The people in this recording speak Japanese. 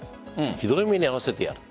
ひどい目にあわせてやる。